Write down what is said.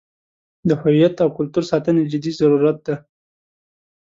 د هویت او کلتور ساتنې جدي ضرورت دی.